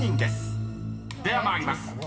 ［では参ります。